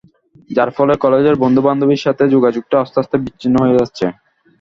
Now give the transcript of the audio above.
যার ফলে কলেজের বন্ধু বান্ধবীদের সাথে যোগাযোগটাও আস্তে আস্তে বিচ্ছিন্ন হয়ে যাচ্ছে।